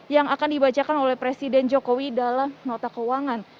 yang akan dibacakan oleh presiden jokowi dalam nota keuangan